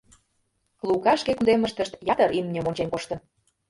Лука шке кундемыштышт ятыр имньым ончен коштын.